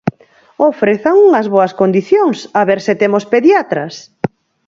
¡Ofrezan unhas boas condicións, a ver se temos pediatras!